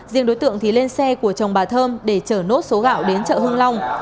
riêng đối tượng thì lên xe của chồng bà thơm để chở nốt số gạo đến chợ hưng long